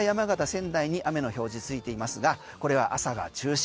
仙台に雨の表示がついていますがこれは朝が中心。